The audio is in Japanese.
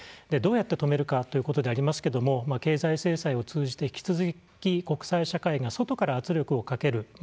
どうやって止めるかということでありますけども経済制裁を通じて引き続き国際社会が外から圧力をかける。